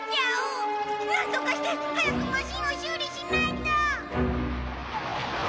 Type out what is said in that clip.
なんとかして早くマシンを修理しないと